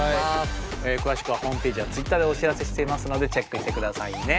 詳しくはホームページやツイッターでお知らせしていますのでチェックしてくださいね！